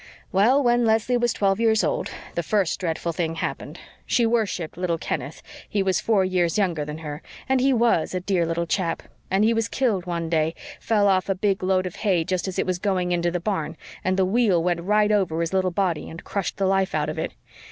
"Well, when Leslie was twelve years old, the first dreadful thing happened. She worshipped little Kenneth he was four years younger than her, and he WAS a dear little chap. And he was killed one day fell off a big load of hay just as it was going into the barn, and the wheel went right over his little body and crushed the life out of it.